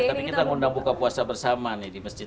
tapi kita ngundang buka puasa bersama nih di masjid